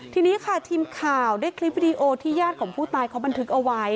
ทีนี้ค่ะทีมข่าวได้คลิปวิดีโอที่ญาติของผู้ตายเขาบันทึกเอาไว้